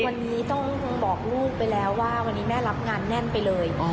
วันนี้ต้องบอกลูกไปแล้วว่าวันนี้แม่รับงานแน่นไปเลย